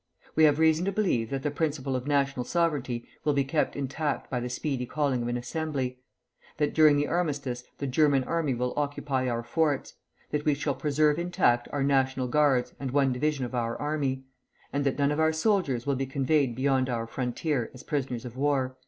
We have reason to believe that the principle of national sovereignty will be kept intact by the speedy calling of an Assembly; that during the armistice the German army will occupy our forts; that we shall preserve intact our National Guards and one division of our army; and that none of our soldiers will be conveyed beyond our frontier as prisoners of war."